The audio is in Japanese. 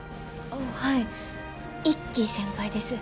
はい１期先輩です。